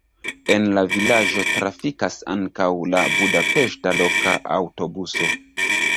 En la vilaĝo trafikas ankaŭ la budapeŝta loka aŭtobuso.